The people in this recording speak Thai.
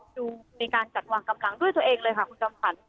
มีการจัดวางกำลังด้วยตัวเองเลยค่ะคุณจำขวัญ